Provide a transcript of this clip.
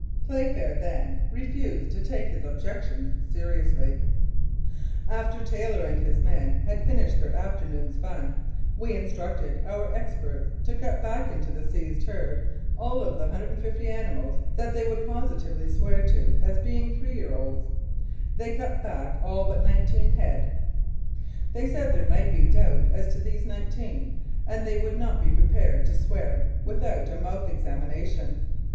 Playfair then refused to take his objections seriously. 175 Mounted Police Life in Canada After Taylor and his men had finished their after noon's fun, we instructed our experts to cut back into t the seized herd all of the 150 animals that they would positively swear to as being three years old. They cut back all but nineteen head. They said there might be doubt as to these nineteen, and they would not be pre pared to swear without a mouth examination.